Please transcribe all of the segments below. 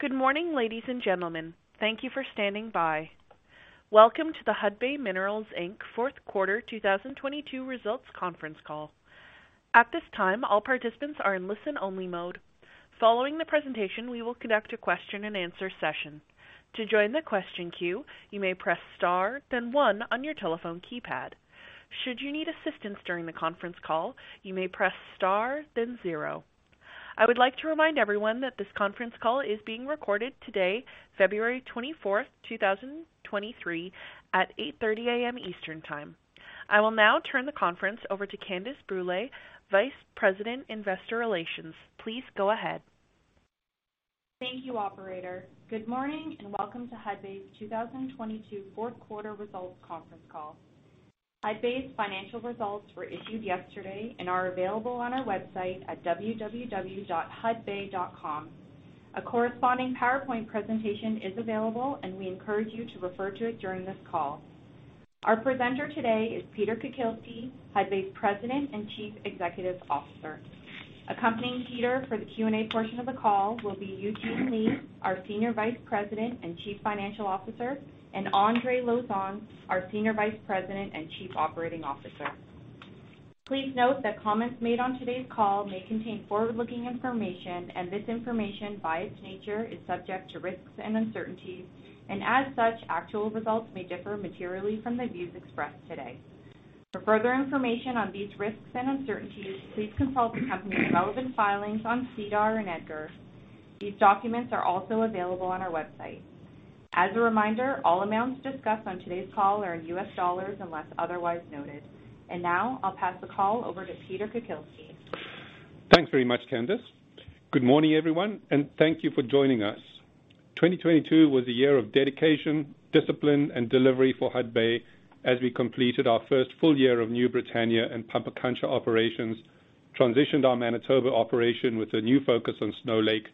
Good morning, ladies and gentlemen. Thank you for standing by. Welcome to the Hudbay Minerals Inc. Q4 2022 results conference call. At this time, all participants are in listen-only mode. Following the presentation, we will conduct a question-and-answer session. To join the question queue, you may press star, then one on your telephone keypad. Should you need assistance during the conference call, you may press star, then zero. I would like to remind everyone that this conference call is being recorded today, 24 February 2023 at 8:00 A.M. Eastern Time. I will now turn the conference over to Candace Brûlé, Vice President, Investor Relations. Please go ahead. Thank you, operator. Good morning and welcome to Hudbay's 2022 Q4 results conference call. Hudbay's financial results were issued yesterday and are available on our website at www.hudbay.com. A corresponding PowerPoint presentation is available, and we encourage you to refer to it during this call. Our presenter today is Peter Kukielski, Hudbay's President and Chief Executive Officer. Accompanying Peter for the Q&A portion of the call will be Eugene Lei, our Senior Vice President and Chief Financial Officer, and Andre Lauzon, our Senior Vice President and Chief Operating Officer. Please note that comments made on today's call may contain forward-looking information, and this information, by its nature, is subject to risks and uncertainties. As such, actual results may differ materially from the views expressed today. For further information on these risks and uncertainties, please consult the company's relevant filings on SEDAR and EDGAR. These documents are also available on our website. As a reminder, all amounts discussed on today's call are in US dollars unless otherwise noted. Now I'll pass the call over to Peter Kukielski. Thanks very much, Candice. Good morning, everyone, and thank you for joining us. 2022 was a year of dedication, discipline, and delivery for Hudbay as we completed our first full year of New Britannia and Pampacancha operations, transitioned our Manitoba operation with a new focus on Snow Lake,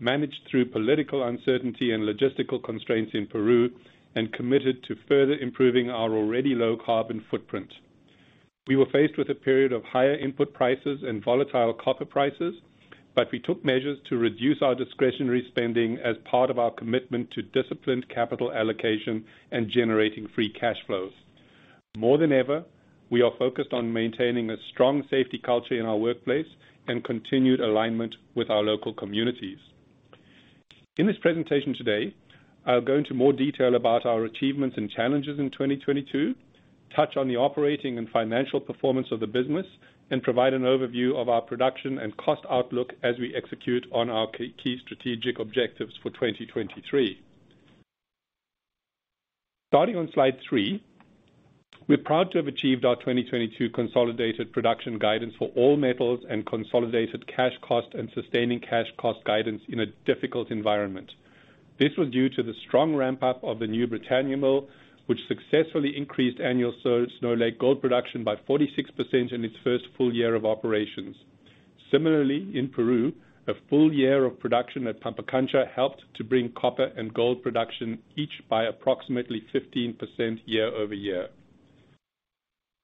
managed through political uncertainty and logistical constraints in Peru, and committed to further improving our already low carbon footprint. We were faced with a period of higher input prices and volatile copper prices, but we took measures to reduce our discretionary spending as part of our commitment to disciplined capital allocation and generating free cash flows. More than ever, we are focused on maintaining a strong safety culture in our workplace and continued alignment with our local communities. In this presentation today, I'll go into more detail about our achievements and challenges in 2022, touch on the operating and financial performance of the business, and provide an overview of our production and cost outlook as we execute on our key strategic objectives for 2023. Starting on slide three, we're proud to have achieved our 2022 consolidated production guidance for all metals and consolidated cash cost and sustaining cash cost guidance in a difficult environment. This was due to the strong ramp-up of the New Britannia Mill, which successfully increased annual Snow Lake gold production by 46% in its first full year of operations. Similarly, in Peru, a full year of production at Pampacancha helped to bring copper and gold production each by approximately 15% year-over-year.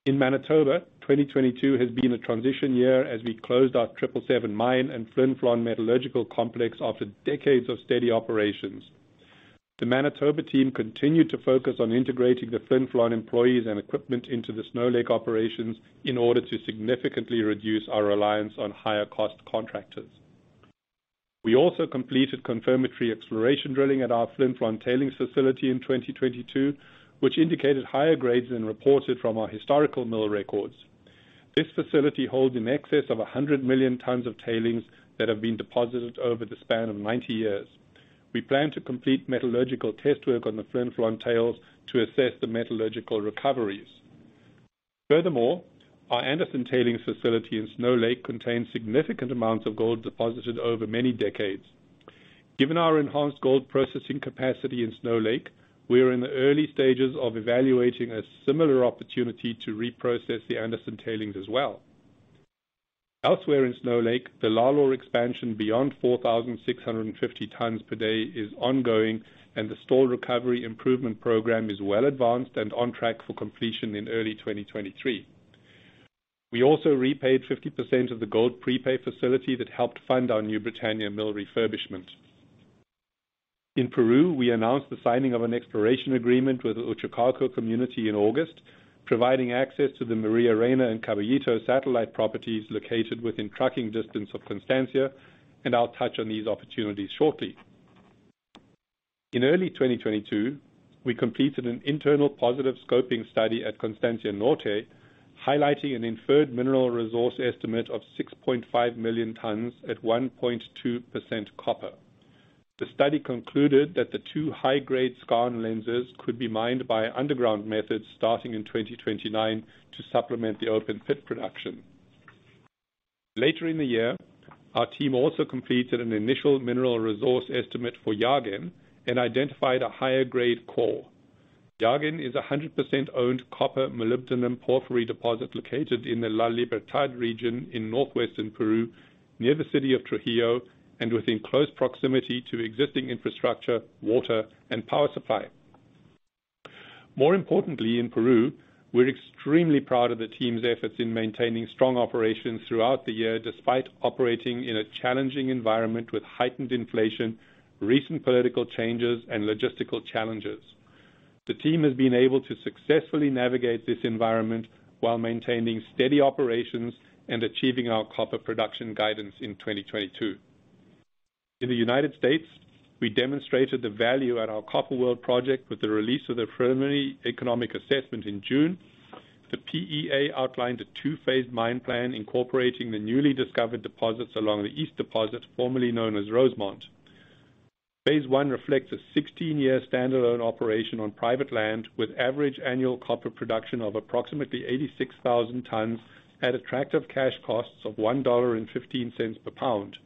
In Manitoba, 2022 has been a transition year as we closed our 777 Mine and Flin Flon Metallurgical complex after decades of steady operations. The Manitoba team continued to focus on integrating the Flin Flon employees and equipment into the Snow Lake operations in order to significantly reduce our reliance on higher-cost contractors. We also completed confirmatory exploration drilling at our Flin Flon tailing facility in 2022, which indicated higher grades than reported from our historical mill records. This facility holds in excess of 100 million tons of tailings that have been deposited over the span of 90 years. We plan to complete metallurgical test work on the Flin Flon tails to assess the metallurgical recoveries. Our Anderson tailings facility in Snow Lake contains significant amounts of gold deposited over many decades. Given our enhanced gold processing capacity in Snow Lake, we are in the early stages of evaluating a similar opportunity to reprocess the Anderson tailings as well. Elsewhere in Snow Lake, the Lalor expansion beyond 4,650 tons per day is ongoing, and the Stall recovery improvement program is well advanced and on track for completion in early 2023. We also repaid 50% of the gold prepay facility that helped fund our New Britannia Mill refurbishment. In Peru, we announced the signing of an exploration agreement with the Uchucarcco community in August, providing access to the Maria Reyna and Caballito satellite properties located within trucking distance of Constancia, I'll touch on these opportunities shortly. In early 2022, we completed an internal positive scoping study at Constancia Norte, highlighting an inferred mineral resource estimate of 6.5 million tons at 1.2% copper. The study concluded that the two high-grade skarn lenses could be mined by underground methods starting in 2029 to supplement the open pit production. Later in the year, our team also completed an initial mineral resource estimate for Llaguen and identified a higher grade core. Llaguen is a 100% owned copper molybdenum porphyry deposit located in the La Libertad region in northwestern Peru, near the city of Trujillo and within close proximity to existing infrastructure, water, and power supply. More importantly, in Peru, we're extremely proud of the team's efforts in maintaining strong operations throughout the year, despite operating in a challenging environment with heightened inflation, recent political changes, and logistical challenges. The team has been able to successfully navigate this environment while maintaining steady operations and achieving our copper production guidance in 2022. In the United States, we demonstrated the value at our Copper World project with the release of the preliminary economic assessment in June. The PEA outlined a two-phase mine plan incorporating the newly discovered deposits along the east deposit, formerly known as Rosemont. Phase one reflects a 16-year standalone operation on private land with average annual copper production of approximately 86,000 tons at attractive cash costs of $1.15 per pound.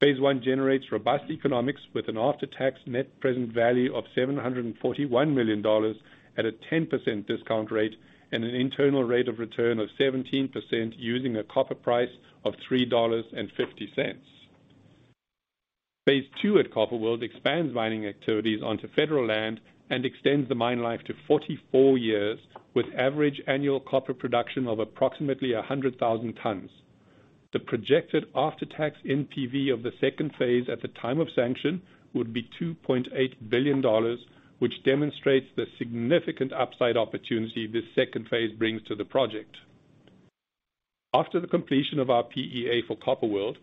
Phase one generates robust economics with an after-tax net present value of $741 million at a 10% discount rate and an internal rate of return of 17% using a copper price of $3.50. Phase two at Copper World expands mining activities onto federal land and extends the mine life to 44 years with average annual copper production of approximately 100,000 tons. The projected after-tax NPV of the second phase at the time of sanction would be $2.8 billion, which demonstrates the significant upside opportunity this second phase brings to the project. After the completion of our PEA for Copper World,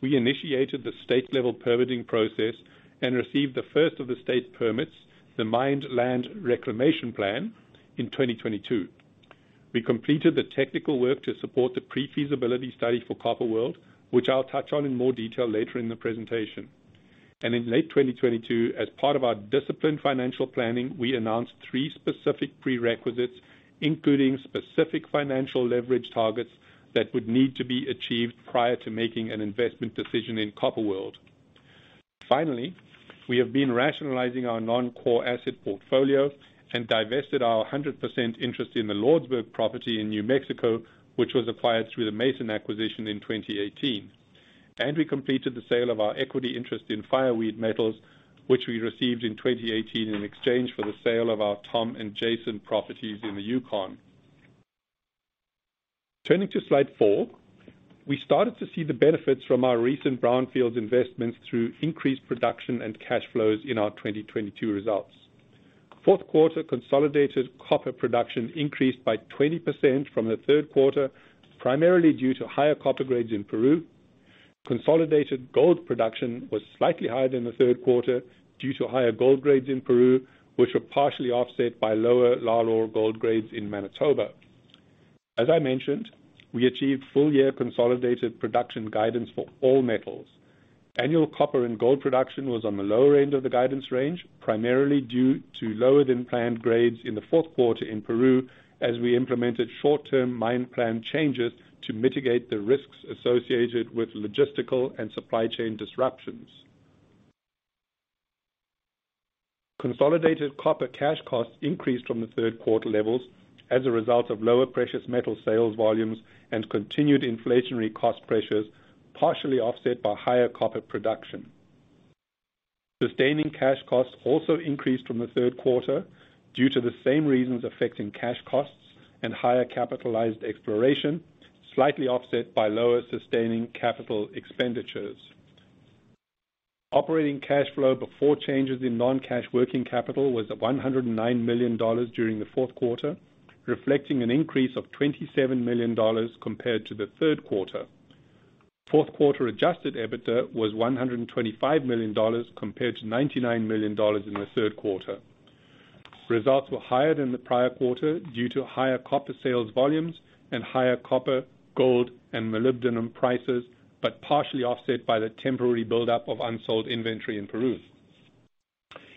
we initiated the state-level permitting process and received the first of the state permits, the Mined Land Reclamation Plan, in 2022. We completed the technical work to support the pre-feasibility study for Copper World, which I'll touch on in more detail later in the presentation. In late 2022, as part of our disciplined financial planning, we announced three specific prerequisites, including specific financial leverage targets that would need to be achieved prior to making an investment decision in Copper World. Finally, we have been rationalizing our non-core asset portfolio and divested our 100% interest in the Lordsburg property in New Mexico, which was acquired through the Mason acquisition in 2018. We completed the sale of our equity interest in Fireweed Metals, which we received in 2018 in exchange for the sale of our Tom and Jason properties in the Yukon. Turning to slide four, we started to see the benefits from our recent brownfield investments through increased production and cash flows in our 2022 results. Q4 consolidated copper production increased by 20% from the Q3, primarily due to higher copper grades in Peru. Consolidated gold production was slightly higher than the Q3 due to higher gold grades in Peru, which were partially offset by lower Lalor gold grades in Manitoba. As I mentioned, we achieved full year consolidated production guidance for all metals. Annual copper and gold production was on the lower end of the guidance range, primarily due to lower-than-planned grades in the Q4 in Peru as we implemented short-term mine plan changes to mitigate the risks associated with logistical and supply chain disruptions. Consolidated copper cash costs increased from the Q3 levels as a result of lower precious metal sales volumes and continued inflationary cost pressures, partially offset by higher copper production. Sustaining cash costs also increased from the Q3 due to the same reasons affecting cash costs and higher capitalized exploration, slightly offset by lower sustaining capital expenditures. Operating cash flow before changes in non-cash working capital was at $109 million during the Q4, reflecting an increase of $27 million compared to the Q3. Q4 adjusted EBITDA was $125 million compared to $99 million in the Q3. Results were higher than the prior quarter due to higher copper sales volumes and higher copper, gold, and molybdenum prices, but partially offset by the temporary buildup of unsold inventory in Peru.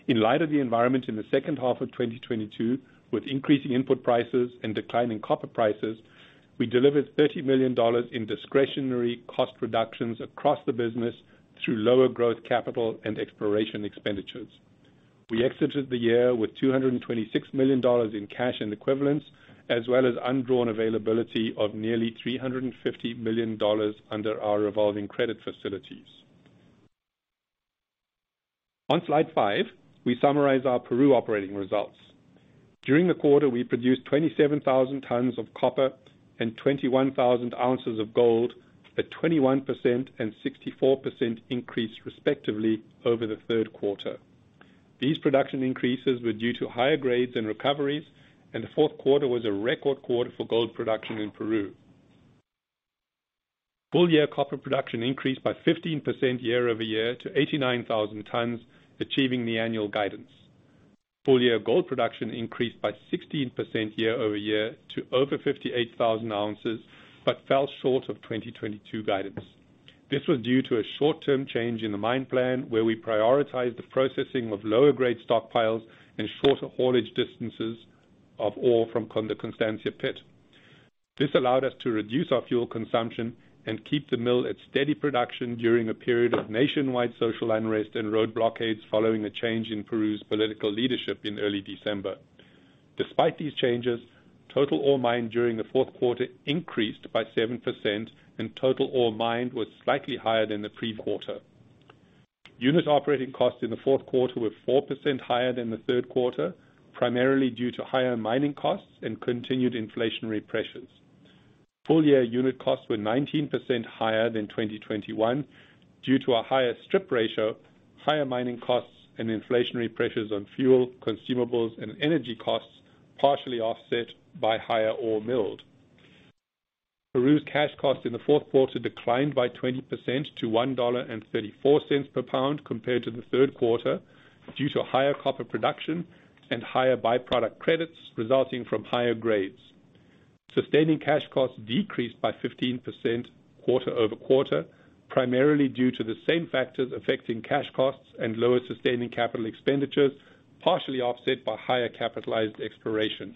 In light of the environment in the second half of 2022, with increasing input prices and declining copper prices, we delivered $30 million in discretionary cost reductions across the business through lower growth, capital, and exploration expenditures. We exited the year with $226 million in cash and equivalents, as well as undrawn availability of nearly $350 million under our revolving credit facilities. On slide five, we summarize our Peru operating results. During the quarter, we produced 27,000 tons of copper and 21,000 ounces of gold at 21% and 64% increase, respectively, over the Q3. These production increases were due to higher grades and recoveries. The Q4 was a record quarter for gold production in Peru. Full year copper production increased by 15% year-over-year to 89,000 tons, achieving the annual guidance. Full year gold production increased by 16% year-over-year to over 58,000 ounces, fell short of 2022 guidance. This was due to a short-term change in the mine plan, where we prioritized the processing of lower grade stockpiles and shorter haulage distances of ore from Constancia pit. This allowed us to reduce our fuel consumption and keep the mill at steady production during a period of nationwide social unrest and road blockades following a change in Peru's political leadership in early December. Despite these changes, total ore mined during the Q4 increased by 7% and total ore mined was slightly higher than the previous quarter. Unit operating costs in the Q4 were 4% higher than the Q3, primarily due to higher mining costs and continued inflationary pressures. Full year unit costs were 19% higher than 2021 due to a higher strip ratio, higher mining costs, and inflationary pressures on fuel, consumables, and energy costs, partially offset by higher ore milled. Peru's cash costs in the Q4 declined by 20% to $1.34 per pound compared to the Q3 due to higher copper production and higher byproduct credits resulting from higher grades. Sustaining cash costs decreased by 15% quarter-over-quarter, primarily due to the same factors affecting cash costs and lower sustaining capital expenditures, partially offset by higher capitalized exploration.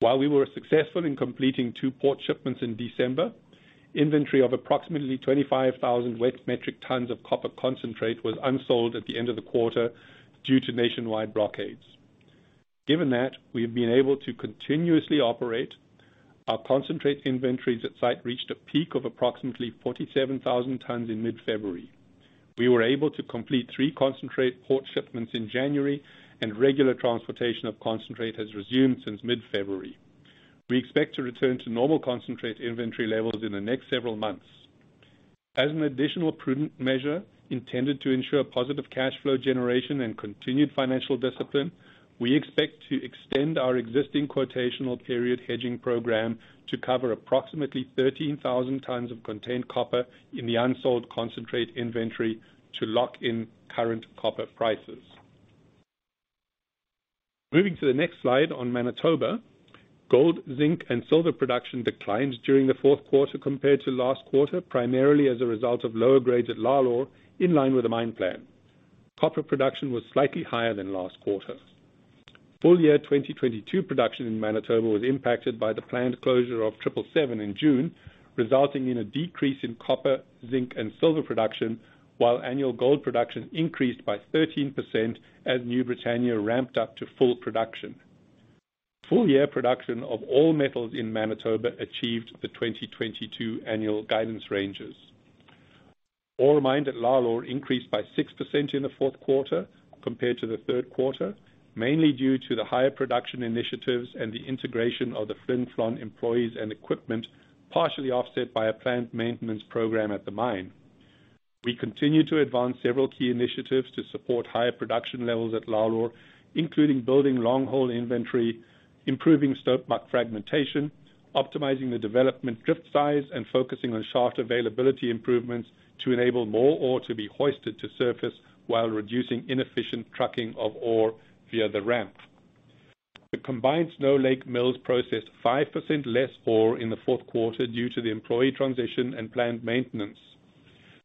While we were successful in completing two port shipments in December, inventory of approximately 25,000 wet metric tons of copper concentrate was unsold at the end of the quarter due to nationwide blockades. Given that, we have been able to continuously operate. Our concentrate inventories at site reached a peak of approximately 47,000 tons in mid-February. We were able to complete three concentrate port shipments in January, and regular transportation of concentrate has resumed since mid-February. We expect to return to normal concentrate inventory levels in the next several months. As an additional prudent measure intended to ensure positive cash flow generation and continued financial discipline, we expect to extend our existing quotational period hedging program to cover approximately 13,000 tons of contained copper in the unsold concentrate inventory to lock in current copper prices. Moving to the next slide on Manitoba. Gold, zinc, and silver production declined during the Q4 compared to last quarter, primarily as a result of lower grades at Lalor in line with the mine plan. Copper production was slightly higher than last quarter. Full year 2022 production in Manitoba was impacted by the planned closure of 777 in June, resulting in a decrease in copper, zinc, and silver production, while annual gold production increased by 13% as New Britannia ramped up to full production. Full year production of all metals in Manitoba achieved the 2022 annual guidance ranges. Ore mined at Lalor increased by 6% in the Q4 compared to the Q3, mainly due to the higher production initiatives and the integration of the Flin Flon employees and equipment, partially offset by a planned maintenance program at the mine. We continue to advance several key initiatives to support higher production levels at Lalor, including building long-haul inventory, improving stope back fragmentation, optimizing the development drift size, and focusing on shaft availability improvements to enable more ore to be hoisted to surface while reducing inefficient trucking of ore via the ramp. The combined Snow Lake mills processed 5% less ore in the Q4 due to the employee transition and planned maintenance.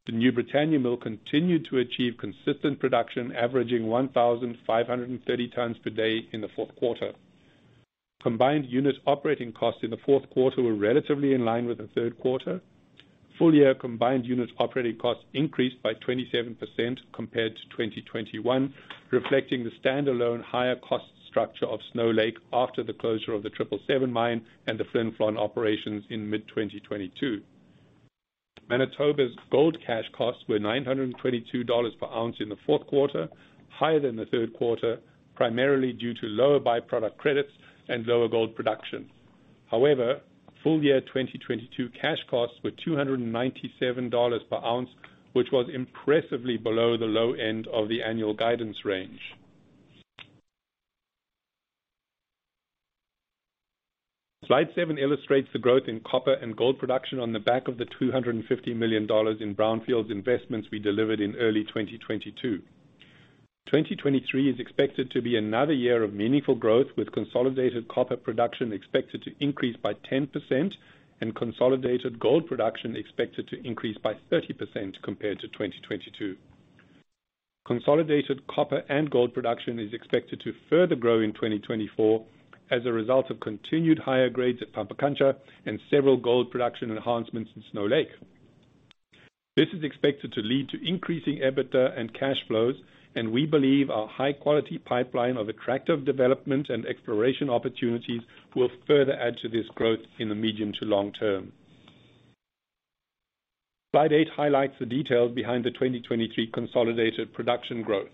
The New Britannia Mill continued to achieve consistent production, averaging 1,530 tons per day in the Q4. Combined unit operating costs in the Q4 were relatively in line with the Q3. Full year combined unit operating costs increased by 27% compared to 2021, reflecting the stand-alone higher cost structure of Snow Lake after the closure of the 777 Mine and the Flin Flon operations in mid-2022. Manitoba's gold cash costs were $922 per ounce in the Q4, higher than the Q3, primarily due to lower byproduct credits and lower gold production. Full year 2022 cash costs were $297 per ounce, which was impressively below the low end of the annual guidance range. Slide seven illustrates the growth in copper and gold production on the back of the $250 million in brownfield investments we delivered in early 2022. 2023 is expected to be another year of meaningful growth, with consolidated copper production expected to increase by 10% and consolidated gold production expected to increase by 30% compared to 2022. Consolidated copper and gold production is expected to further grow in 2024 as a result of continued higher grades at Pampacancha and several gold production enhancements in Snow Lake. This is expected to lead to increasing EBITDA and cash flows. We believe our high-quality pipeline of attractive development and exploration opportunities will further add to this growth in the medium to long term. Slide eight highlights the details behind the 2023 consolidated production growth.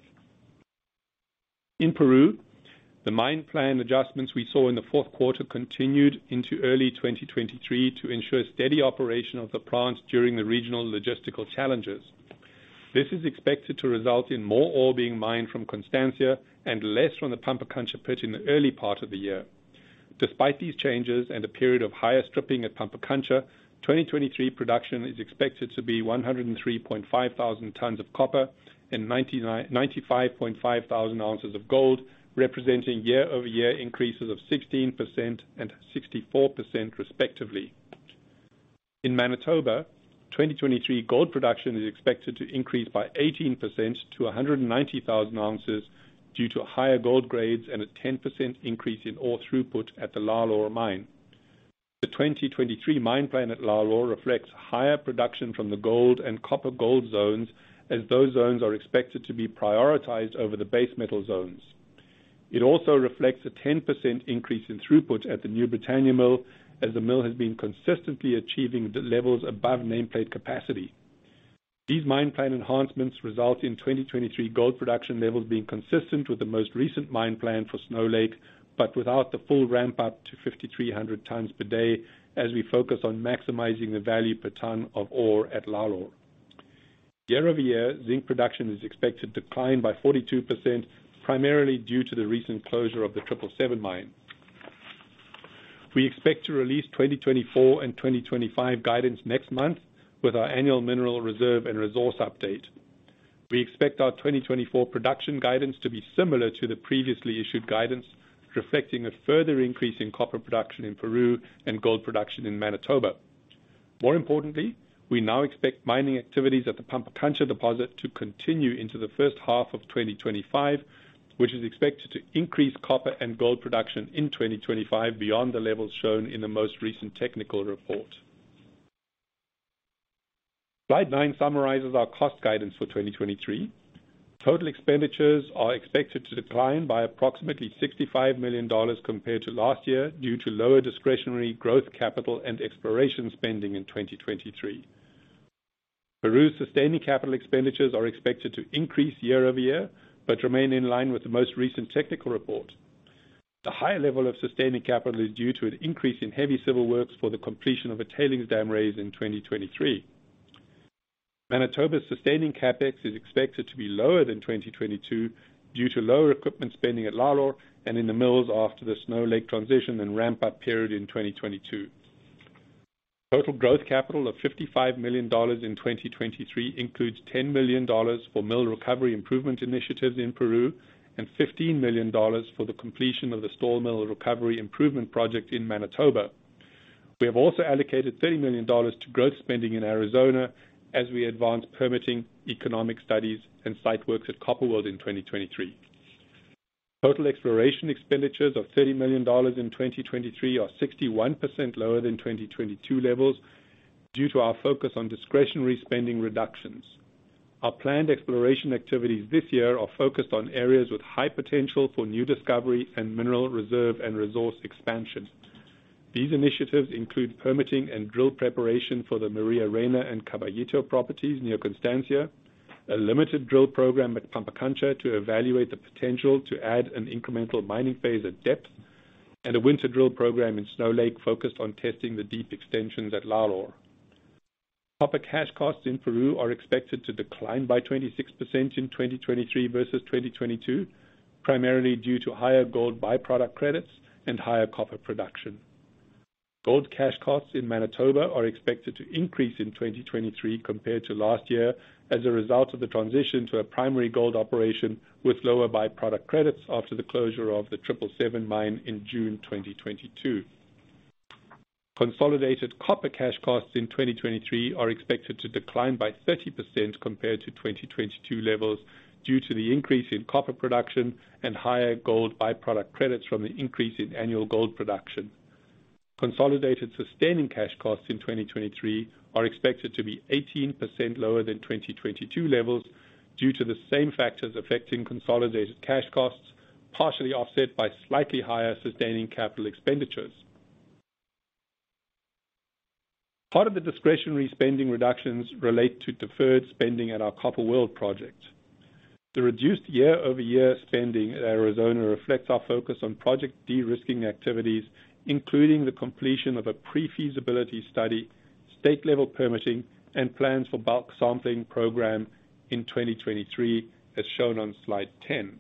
In Peru, the mine plan adjustments we saw in the Q4 continued into early 2023 to ensure steady operation of the plant during the regional logistical challenges. This is expected to result in more ore being mined from Constancia and less from the Pampacancha pit in the early part of the year. Despite these changes and a period of higher stripping at Pampacancha, 2023 production is expected to be 103.5 thousand tons of copper and 95.5 thousand ounces of gold, representing year-over-year increases of 16% and 64% respectively. In Manitoba, 2023 gold production is expected to increase by 18% to 190,000 ounces due to higher gold grades and a 10% increase in ore throughput at the Lalor mine. The 2023 mine plan at Lalor reflects higher production from the gold and copper gold zones as those zones are expected to be prioritized over the base metal zones. It also reflects a 10% increase in throughput at the New Britannia Mill, as the mill has been consistently achieving the levels above nameplate capacity. These mine plan enhancements result in 2023 gold production levels being consistent with the most recent mine plan for Snow Lake, but without the full ramp-up to 5,300 tons per day as we focus on maximizing the value per ton of ore at Lalor. Year-over-year, zinc production is expected to decline by 42%, primarily due to the recent closure of the 777 Mine. We expect to release 2024 and 2025 guidance next month with our annual mineral reserve and resource update. We expect our 2024 production guidance to be similar to the previously issued guidance, reflecting a further increase in copper production in Peru and gold production in Manitoba. More importantly, we now expect mining activities at the Pampacancha deposit to continue into the first half of 2025, which is expected to increase copper and gold production in 2025 beyond the levels shown in the most recent technical report. Slide nine summarizes our cost guidance for 2023. Total expenditures are expected to decline by approximately $65 million compared to last year due to lower discretionary growth capital and exploration spending in 2023. Peru's sustaining capital expenditures are expected to increase year-over-year, but remain in line with the most recent technical report. The high level of sustaining capital is due to an increase in heavy civil works for the completion of a tailings dam raise in 2023. Manitoba's sustaining CapEx is expected to be lower than 2022 due to lower equipment spending at Lalor and in the mills after the Snow Lake transition and ramp-up period in 2022. Total growth capital of $55 million in 2023 includes $10 million for mill recovery improvement initiatives in Peru and $15 million for the completion of the Stall mill recovery improvement project in Manitoba. We have also allocated $30 million to growth spending in Arizona as we advance permitting economic studies and site works at Copper World in 2023. Total exploration expenditures of $30 million in 2023 are 61% lower than 2022 levels due to our focus on discretionary spending reductions. Our planned exploration activities this year are focused on areas with high potential for new discovery and mineral reserve and resource expansion. These initiatives include permitting and drill preparation for the Maria Reyna and Caballito properties near Constancia, a limited drill program at Pampacancha to evaluate the potential to add an incremental mining phase at depth, and a winter drill program in Snow Lake focused on testing the deep extensions at Lalor. Copper cash costs in Peru are expected to decline by 26% in 2023 versus 2022, primarily due to higher gold by-product credits and higher copper production. Gold cash costs in Manitoba are expected to increase in 2023 compared to last year as a result of the transition to a primary gold operation with lower by-product credits after the closure of the 777 Mine in June 2022. Consolidated copper cash costs in 2023 are expected to decline by 30% compared to 2022 levels due to the increase in copper production and higher gold by-product credits from the increase in annual gold production. Consolidated sustaining cash costs in 2023 are expected to be 18% lower than 2022 levels due to the same factors affecting consolidated cash costs, partially offset by slightly higher sustaining capital expenditures. Part of the discretionary spending reductions relate to deferred spending at our Copper World project. The reduced year-over-year spending at Arizona reflects our focus on project de-risking activities, including the completion of a pre-feasibility study, state-level permitting, and plans for bulk sampling program in 2023, as shown on slide 10.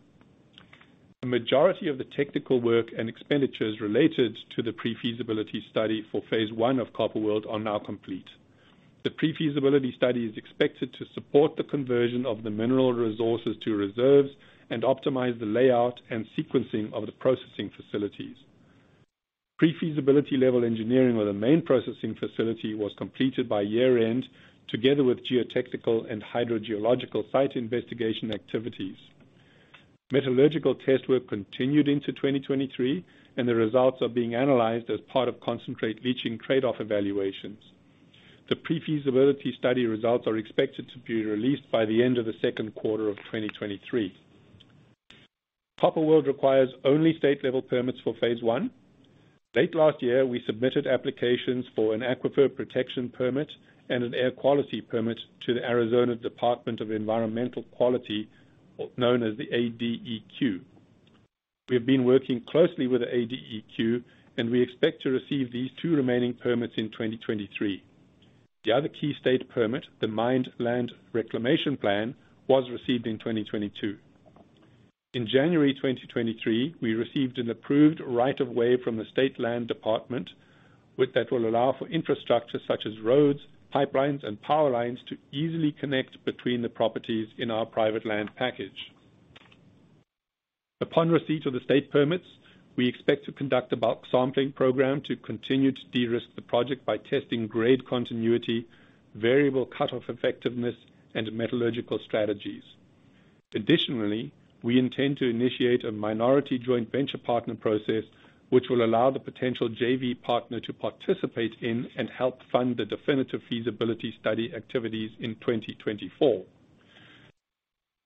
A majority of the technical work and expenditures related to the pre-feasibility study for phase one of Copper World are now complete. The pre-feasibility study is expected to support the conversion of the mineral resources to reserves and optimize the layout and sequencing of the processing facilities. Pre-feasibility level engineering with the main processing facility was completed by year-end, together with geotechnical and hydrogeological site investigation activities. Metallurgical test work continued into 2023, and the results are being analyzed as part of concentrate leaching trade-off evaluations. The pre-feasibility study results are expected to be released by the end of the Q2 of 2023. Copper World requires only state-level permits for Phase I. Late last year, we submitted applications for an Aquifer Protection Permit and an air quality permit to the Arizona Department of Environmental Quality, known as the ADEQ. We have been working closely with the ADEQ, and we expect to receive these two remaining permits in 2023. The other key state permit, the Mined Land Reclamation Plan, was received in 2022. In January 2023, we received an approved right of way from the Arizona State Land Department that will allow for infrastructure such as roads, pipelines, and power lines to easily connect between the properties in our private land package. Upon receipt of the state permits, we expect to conduct a bulk sampling program to continue to de-risk the project by testing grade continuity, variable cut-off effectiveness, and metallurgical strategies. We intend to initiate a minority joint venture partner process, which will allow the potential JV partner to participate in and help fund the definitive feasibility study activities in 2024.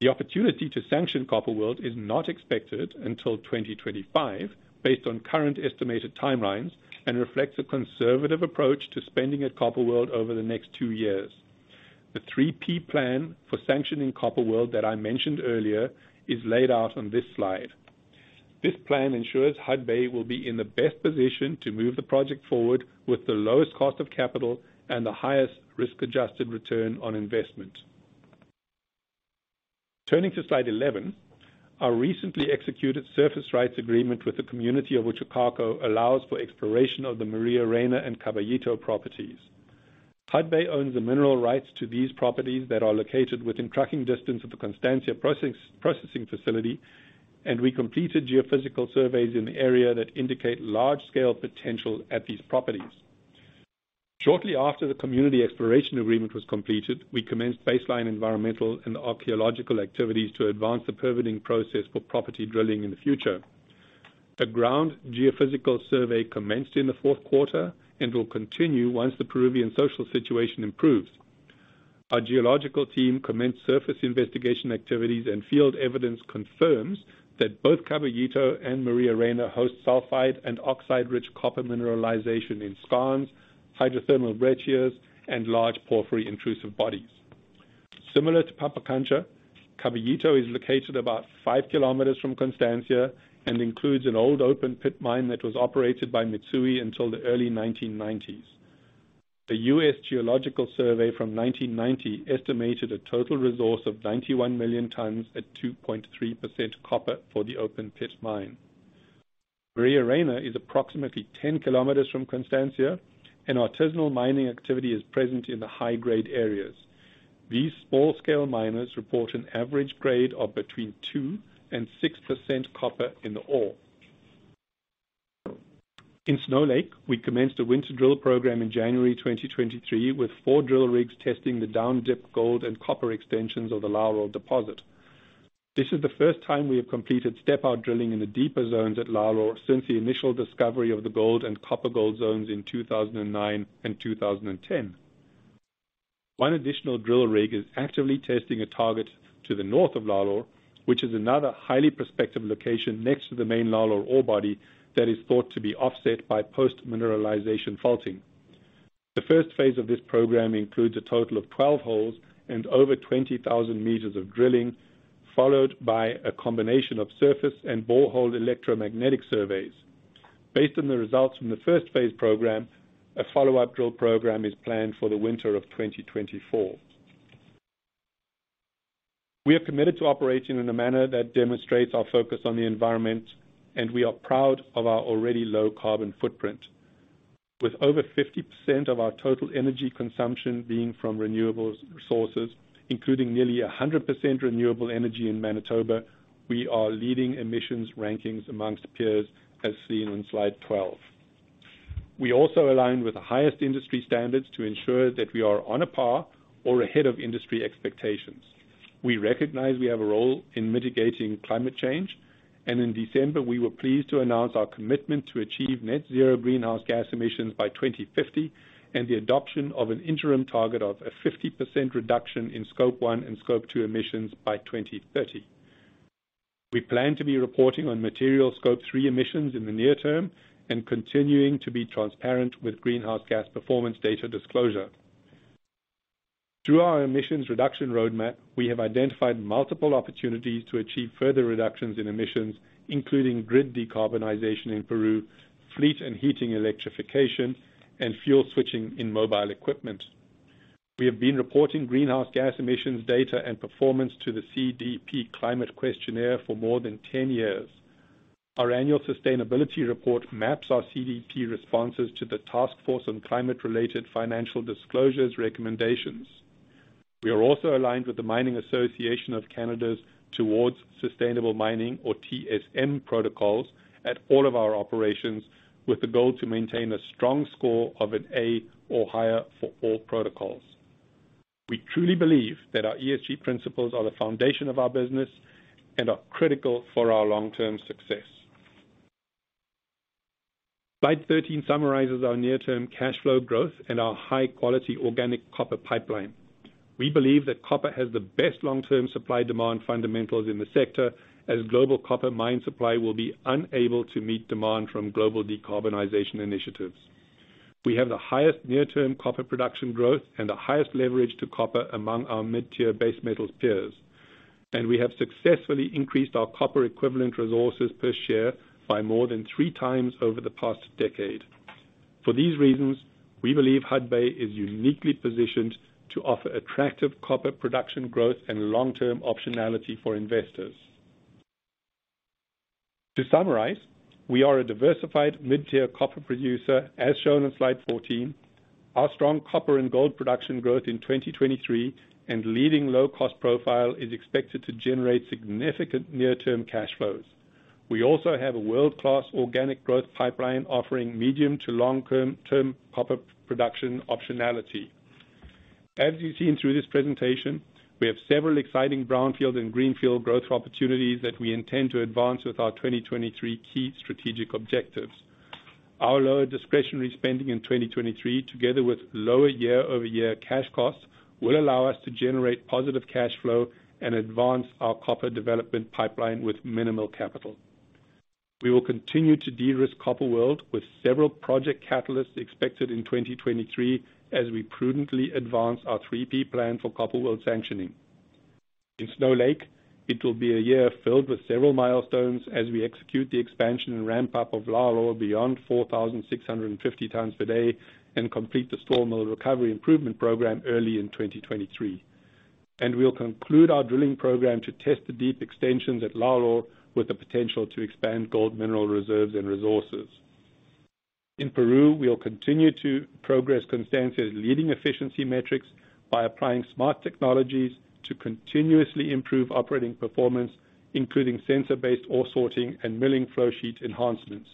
The opportunity to sanction Copper World is not expected until 2025 based on current estimated timelines and reflects a conservative approach to spending at Copper World over the next two years. The 3P Plan for sanctioning Copper World that I mentioned earlier is laid out on this slide. This plan ensures Hudbay will be in the best position to move the project forward with the lowest cost of capital and the highest risk-adjusted return on investment. Turning to slide 11, our recently executed surface rights agreement with the community of Uchucarcco allows for exploration of the Maria Reyna and Caballito properties. Hudbay owns the mineral rights to these properties that are located within trucking distance of the Constancia processing facility, and we completed geophysical surveys in the area that indicate large-scale potential at these properties. Shortly after the community exploration agreement was completed, we commenced baseline environmental and archaeological activities to advance the permitting process for property drilling in the future. A ground geophysical survey commenced in the Q4 and will continue once the Peruvian social situation improves. Our geological team commenced surface investigation activities, and field evidence confirms that both Caballito and Maria Reyna host sulfide and oxide-rich copper mineralization in skarns, hydrothermal breccias, and large porphyry intrusive bodies. Similar to Pampacancha, Caballito is located about 5km from Constancia and includes an old open-pit mine that was operated by Mitsui until the early 1990s. The U.S. Geological Survey from 1990 estimated a total resource of 91 million tons at 2.3% copper for the open-pit mine. Maria Reyna is approximately 10km from Constancia, and artisanal mining activity is present in the high-grade areas. These small-scale miners report an average grade of between 2% and 6% copper in the ore. In Snow Lake, we commenced a winter drill program in January 2023, with four drill rigs testing the down-dip gold and copper extensions of the Lalor deposit. This is the first time we have completed step-out drilling in the deeper zones at Lalor since the initial discovery of the gold and copper gold zones in 2009 and 2010. One additional drill rig is actively testing a target to the north of Lalor, which is another highly prospective location next to the main Lalor ore body that is thought to be offset by post-mineralization faulting. The phase I of this program includes a total of 12 holes and over 20,000 meters of drilling, followed by a combination of surface and borehole electromagnetic surveys. Based on the results from the first phase program, a follow-up drill program is planned for the winter of 2024. We are committed to operating in a manner that demonstrates our focus on the environment. We are proud of our already low carbon footprint. With over 50% of our total energy consumption being from renewables resources, including nearly 100% renewable energy in Manitoba, we are leading emissions rankings amongst peers, as seen on slide 12. We also align with the highest industry standards to ensure that we are on a par or ahead of industry expectations. We recognize we have a role in mitigating climate change. In December, we were pleased to announce our commitment to achieve net zero greenhouse gas emissions by 2050 and the adoption of an interim target of a 50% reduction in Scope-1 and Scope-2 emissions by 2030. We plan to be reporting on material Scope-3 emissions in the near term and continuing to be transparent with greenhouse gas performance data disclosure. Through our emissions reduction roadmap, we have identified multiple opportunities to achieve further reductions in emissions, including grid decarbonization in Peru, fleet and heating electrification, and fuel switching in mobile equipment. We have been reporting greenhouse gas emissions data and performance to the CDP climate questionnaire for more than 10 years. Our annual sustainability report maps our CDP responses to the task force on climate-related financial disclosures recommendations. We are also aligned with the Mining Association of Canada's Towards Sustainable Mining or TSM protocols at all of our operations, with the goal to maintain a strong score of an A or higher for all protocols. We truly believe that our ESG principles are the foundation of our business and are critical for our long-term success. Slide 13 summarizes our near-term cash flow growth and our high-quality organic copper pipeline. We believe that copper has the best long-term supply-demand fundamentals in the sector, as global copper mine supply will be unable to meet demand from global decarbonization initiatives. We have the highest near-term copper production growth and the highest leverage to copper among our mid-tier base metal peers. We have successfully increased our copper equivalent resources per share by more than three times over the past decade. For these reasons, we believe Hudbay is uniquely positioned to offer attractive copper production growth and long-term optionality for investors. To summarize, we are a diversified mid-tier copper producer, as shown on slide 14. Our strong copper and gold production growth in 2023 and leading low-cost profile is expected to generate significant near-term cash flows. We also have a world-class organic growth pipeline offering medium to long-term copper production optionality. As you've seen through this presentation, we have several exciting brownfield and greenfield growth opportunities that we intend to advance with our 2023 key strategic objectives. Our lower discretionary spending in 2023, together with lower year-over-year cash costs, will allow us to generate positive cash flow and advance our copper development pipeline with minimal capital. We will continue to de-risk Copper World with several project catalysts expected in 2023 as we prudently advance our 3P Plan for Copper World sanctioning. In Snow Lake, it will be a year filled with several milestones as we execute the expansion and ramp up of Lalor beyond 4,650 times a day and complete the Stall mill recovery improvement program early in 2023. We'll conclude our drilling program to test the deep extensions at Lalor with the potential to expand gold mineral reserves and resources. In Peru, we'll continue to progress Constancia's leading efficiency metrics by applying smart technologies to continuously improve operating performance, including sensor-based ore sorting and milling flow sheet enhancements.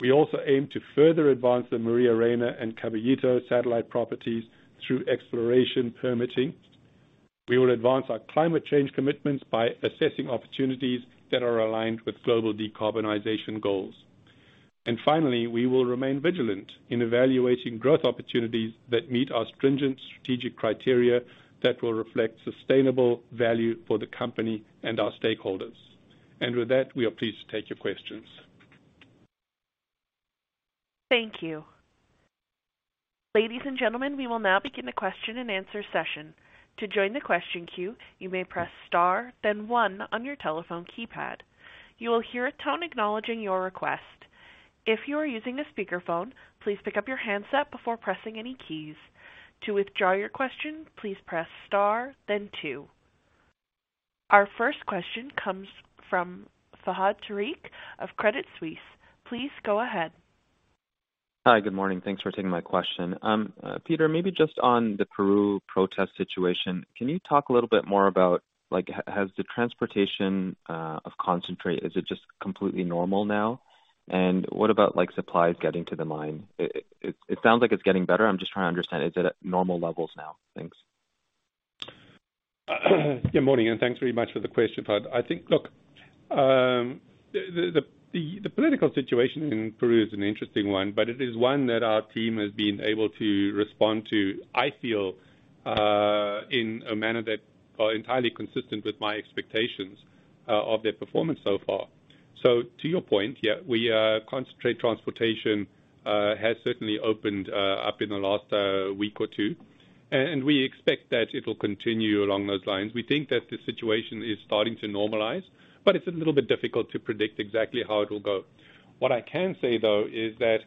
We also aim to further advance the Maria Reyna and Caballito satellite properties through exploration permitting. We will advance our climate change commitments by assessing opportunities that are aligned with global decarbonization goals. Finally, we will remain vigilant in evaluating growth opportunities that meet our stringent strategic criteria that will reflect sustainable value for the company and our stakeholders. With that, we are pleased to take your questions. Thank you. Ladies and gentlemen, we will now begin the question-and-answer session. To join the question queue, you may press star then one on your telephone keypad. You will hear a tone acknowledging your request. If you are using a speakerphone, please pick up your handset before pressing any keys. To withdraw your question, please press star then two. Our first question comes from Fahad Tariq of Credit Suisse. Please go ahead. Hi, good morning. Thanks for taking my question. Peter, maybe just on the Peru protest situation, can you talk a little bit more about, like, has the transportation of concentrate, is it just completely normal now? What about, like, supplies getting to the mine? It sounds like it's getting better. I'm just trying to understand, is it at normal levels now? Thanks. Good morning, and thanks very much for the question, Fahad. I think look, the political situation in Peru is an interesting one, but it is one that our team has been able to respond to, I feel, in a manner that are entirely consistent with my expectations of their performance so far. To your point, yeah, we concentrate transportation has certainly opened up in the last week or two, and we expect that it will continue along those lines we think that the situation is starting to normalize, but it's a little bit difficult to predict exactly how it will go. What I can say, though, is that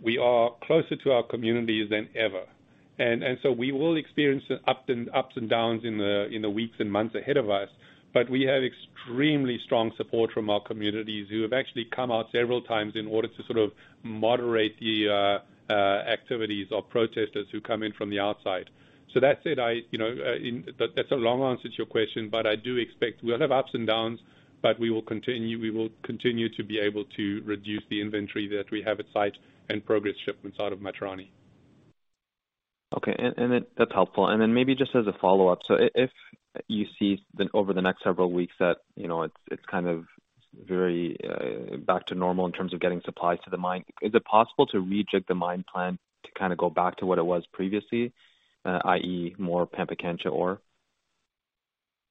we are closer to our communities than ever, and so we will experience the ups and downs in the weeks and months ahead of us. We have extremely strong support from our communities who have actually come out several times in order to sort of moderate the activities of protesters who come in from the outside. That said, I, you know, that's a long answer to your question, but I do expect we'll have ups and downs, but we will continue to be able to reduce the inventory that we have at site and progress shipments out of Matarani. Okay. That's helpful. Maybe just as a follow-up. If you see then over the next several weeks that, you know, it's kind of very back to normal in terms of getting supplies to the mine, is it possible to rejig the mine plan to kind of go back to what it was previously, i.e., more Pampacancha ore?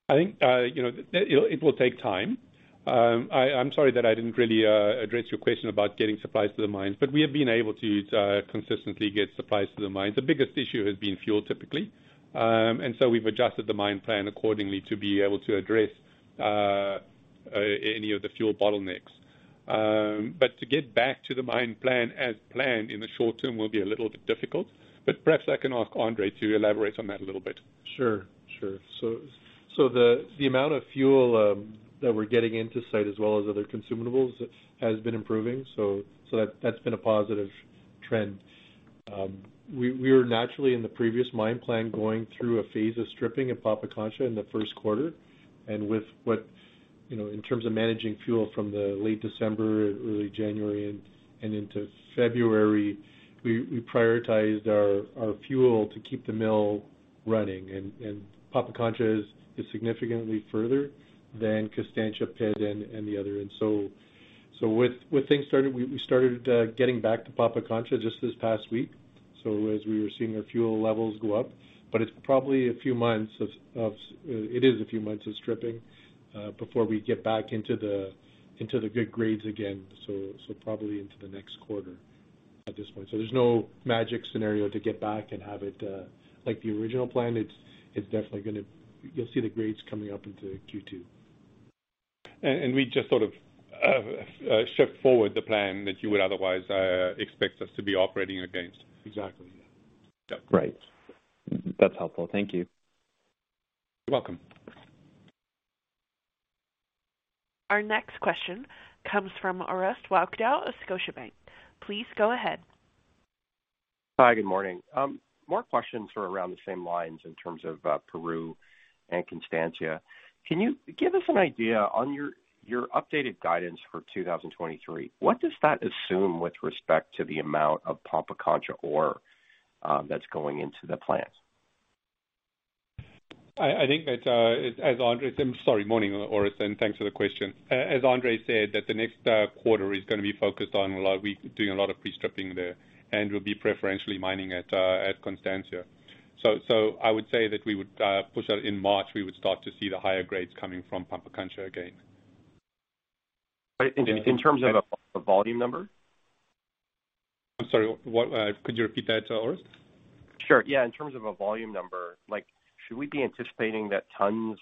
I think, you know, it will take time. I'm sorry that I didn't really address your question about getting supplies to the mines, but we have been able to consistently get supplies to the mines the biggest issue has been fuel, typically. We've adjusted the mine plan accordingly to be able to address any of the fuel bottlenecks. To get back to the mine plan as planned in the short term will be a little bit difficult. Perhaps I can ask Andre to elaborate on that a little bit. Sure. Sure. The amount of fuel that we're getting into site as well as other consumables has been improving. That's been a positive trend. We were naturally in the previous mine plan going through a phase of stripping at Pampacancha in the Q1. With what, you know, in terms of managing fuel from the late December, early January, and into February, we prioritized our fuel to keep the mill running. Pampacancha is significantly further than Constancia pit and the other. With things started, we started getting back to Pampacancha just this past week, so as we were seeing our fuel levels go up. It's probably a few months of stripping before we get back into the good grades again, so probably into the next quarter at this point. There's no magic scenario to get back and have it like the original plan. It's definitely gonna, you'll see the grades coming up into Q2. We just sort of shift forward the plan that you would otherwise expect us to be operating against. Exactly. Yeah. Yeah. Great. That's helpful. Thank you. You're welcome. Our next question comes from Orest Wowkodaw of Scotiabank. Please go ahead. Hi, good morning. More questions are around the same lines in terms of Peru and Constancia. Can you give us an idea on your updated guidance for 2023, what does that assume with respect to the amount of Pampacancha ore that's going into the plant? I think that as Andre, sorry, morning, Orest, and thanks for the question. As Andre said, that the next quarter is going to be focused on a lot of doing a lot of pre-stripping there, and we'll be preferentially mining at Constancia. I would say that we would push out in March, we would start to see the higher grades coming from Pampacancha again. In terms of a volume number? I'm sorry, what, could you repeat that, Orest? Sure, yeah. In terms of a volume number, like, should we be anticipating that tons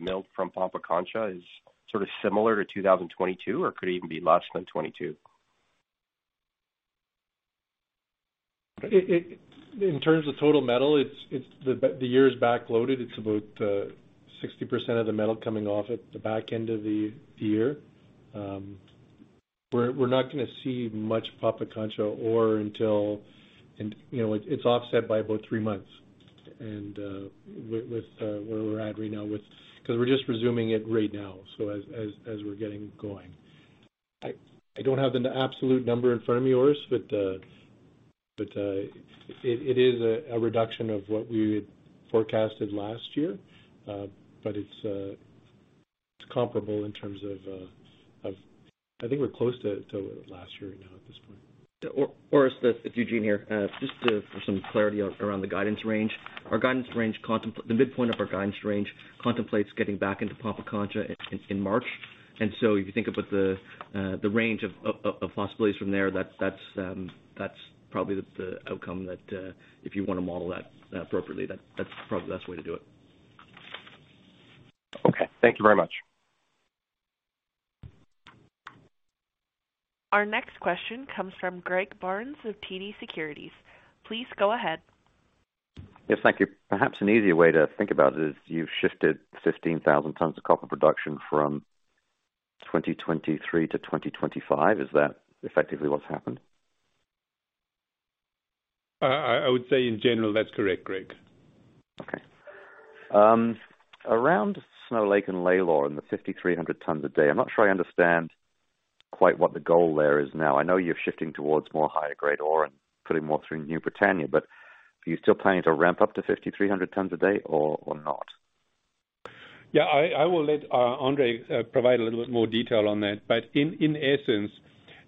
milled from Pampacancha is sort of similar to 2022, or could it even be less than 2022? In terms of total metal, the year is backloaded. It's about 60% of the metal coming off at the back end of the year. We're not gonna see much Pampacancha ore until, you know, it's offset by about three months. With where we're at right now with. 'Cause we're just resuming it right now, so as we're getting going. I don't have an absolute number in front of me, Orest, but it is a reduction of what we had forecasted last year. But it's comparable in terms of. I think we're close to last year now at this point. Orest, it's Eugene here. Just to, for some clarity around the guidance range. Our guidance range the midpoint of our guidance range contemplates getting back into Pampacancha in March. If you think about the range of possibilities from there, that's probably the outcome that, if you wanna model that appropriately, that's probably the best way to do it. Okay. Thank you very much. Our next question comes from Greg Barnes of TD Securities. Please go ahead. Yes, thank you. Perhaps an easier way to think about it is you've shifted 15,000 tons of copper production from 2023 to 2025. Is that effectively what's happened? I would say in general that's correct, Greg. Around Snow Lake and Lalor and the 5,300 tons a day, I'm not sure I understand quite what the goal there is now i know you're shifting towards more higher grade ore and putting more through New Britannia, are you still planning to ramp up to 5,300 tons a day or not? Yeah, I will let Andre provide a little bit more detail on that. In essence,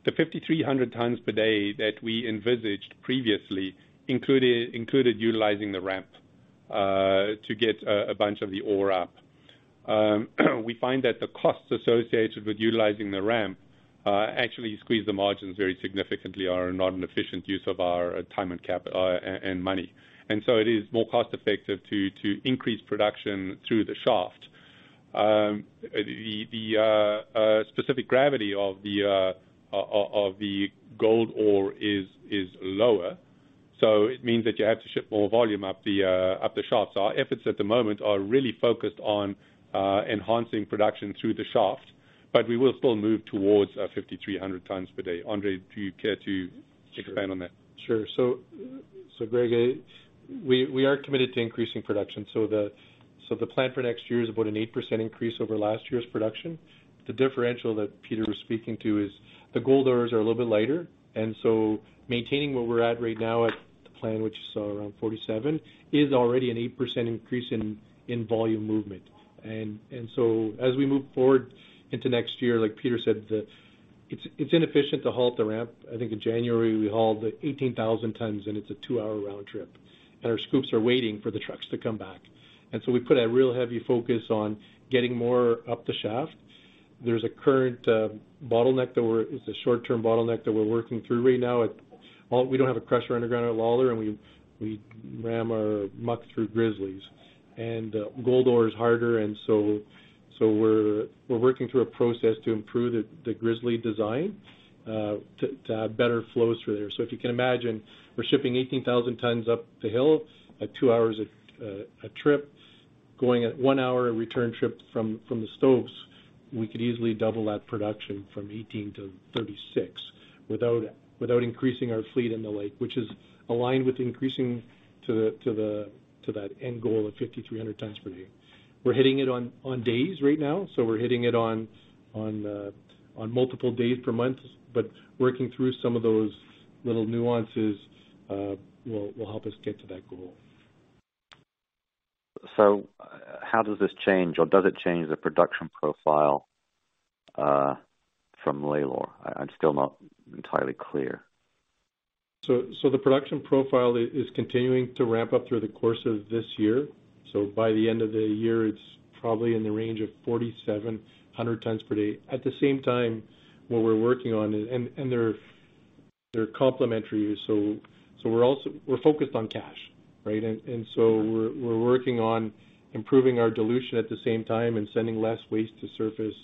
the 5,300 tons per day that we envisaged previously included utilizing the ramp to get a bunch of the ore up. We find that the costs associated with utilizing the ramp actually squeeze the margins very significantly, are not an efficient use of our time and money. It is more cost effective to increase production through the shaft. The specific gravity of the gold ore is lower, so it means that you have to ship more volume up the shaft. Our efforts at the moment are really focused on enhancing production through the shaft, but we will still move towards 5,300 tons per day Andre, do you care to expand on that? Sure. Greg, we are committed to increasing production. The plan for next year is about an 8% increase over last year's production. The differential that Peter was speaking to is the gold ores are a little bit lighter, maintaining where we're at right now at the plan, which is around 47, is already an 8% increase in volume movement. As we move forward into next year, like Peter said, it's inefficient to halt the ramp. I think in January, we hauled 18,000 tons, and it's a two hour round trip, and our scoops are waiting for the trucks to come back. We put a real heavy focus on getting more up the shaft. There's a current, bottleneck. It's a short-term bottleneck that we're working through right now at all. We don't have a crusher underground at Lalor, and we ram our muck through grizzlies. Gold ore is harder, so we're working through a process to improve the grizzly design to have better flows through there. If you can imagine, we're shipping 18,000 tons up the hill at two hours a trip, going at 1 hour return trip from the stoves. We could easily double that production from 18 to 36 without increasing our fleet into Lake, which is aligned with increasing to that end goal of 5,300 tons per day. We're hitting it on days right now, so we're hitting it on multiple days per month, but working through some of those little nuances will help us get to that goal. How does this change, or does it change the production profile, from Lalor? I'm still not entirely clear. The production profile is continuing to ramp up through the course of this year. By the end of the year, it's probably in the range of 4,700 tons per day a the same time, what we're working on is. They're complementary, we're also focused on cash, right. We're working on improving our dilution at the same time and sending less waste to surface.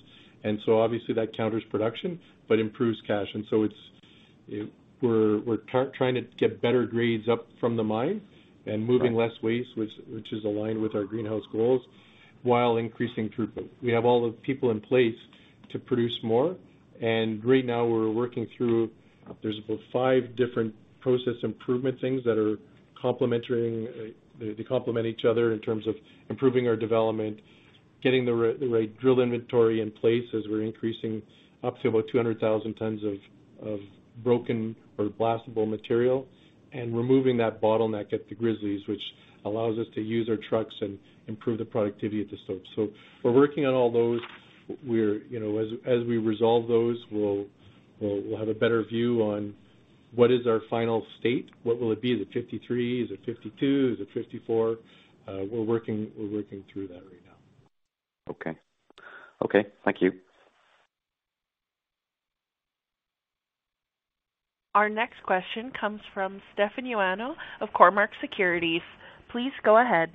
Obviously, that counters production but improves cash. It's, we're trying to get better grades up from the mine and moving less waste, which is aligned with our greenhouse goals while increasing throughput. We have all the people in place to produce more, and right now we're working through, there's about five different process improvement things that are complementary. They complement each other in terms of improving our development. Getting the right drill inventory in place as we're increasing up to about 200,000 tons of broken or blastable material and removing that bottleneck at the grizzlies, which allows us to use our trucks and improve the productivity at the stove. We're working on all those. We're, you know, as we resolve those, we'll have a better view on what is our final state, what will it be? Is it 53? Is it 52? Is it 54? We're working, we're working through that right now. Okay. Okay, thank you. Our next question comes from Stefan Ioannou of Cormark Securities. Please go ahead.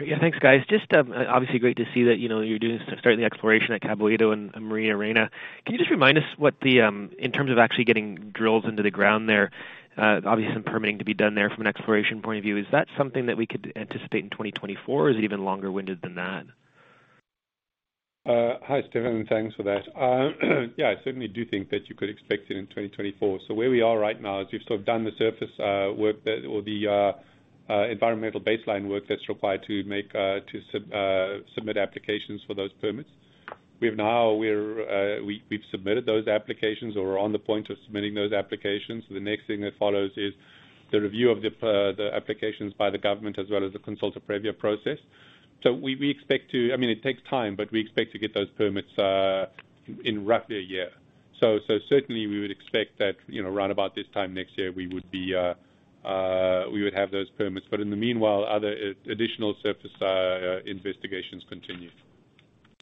Yeah, thanks, guys. Just obviously great to see that, you know, you're doing certainly exploration at Caballito and Maria Reyna. Can you just remind us what the in terms of actually getting drills into the ground there, obviously some permitting to be done there from an exploration point of view, is that something that we could anticipate in 2024, or is it even longer-winded than that? Hi, Stefan. Thanks for that. Yeah, I certainly do think that you could expect it in 2024 where we are right now is we've sort of done the surface work that or the environmental baseline work that's required to make to submit applications for those permits. We've now submitted those applications or are on the point of submitting those applications the next thing that follows is the review of the applications by the government as well as the Consulta Previa process. We, we expect to I mean, it takes time, but we expect to get those permits in roughly a year. Certainly we would expect that, you know, right about this time next year, we would be we would have those permits. In the meanwhile, other additional surface investigations continue.